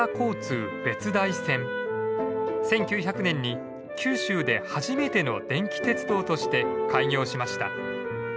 １９００年に九州で初めての電気鉄道として開業しました。